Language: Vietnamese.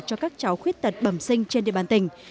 cho các cháu khuyết tật bẩm sinh trên địa bàn tỉnh